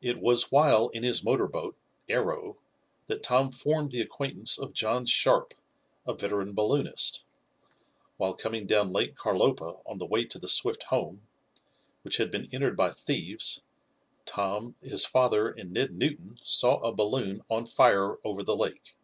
It was while in his motor boat, Arrow, that Tom formed the acquaintance of John Sharp, a veteran balloonist. While coming down Lake Carlopa on the way to the Swift home, which had been entered by thieves, Tom, his father and Ned Newton, saw a balloon on fire over the lake.